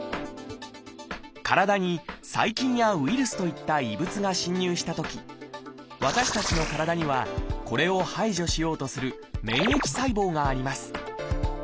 体に細菌やウイルスといった異物が侵入したとき私たちの体にはこれを排除しようとする免疫細胞があります。